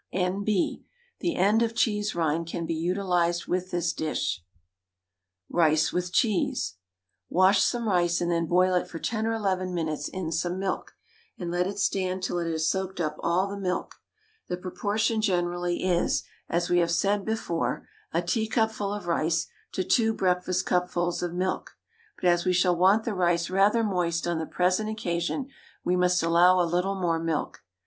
N.B. The end of cheese rind can be utilised with this dish. RICE WITH CHEESE. Wash some rice and then boil it for ten or eleven minutes in some milk, and let it stand till it has soaked up all the milk. The proportion generally is, as we have said before, a teacupful of rice to two breakfastcupfuls of milk; but as we shall want the rice rather moist on the present occasion, we must allow a little more milk.